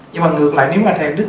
nhưng mà ngược lại nếu mà theo